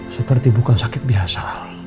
seperti bukan sakit biasa